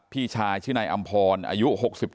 พี่ชายชื่อนายอำพรอายุ๖๒